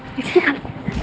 eh disini kan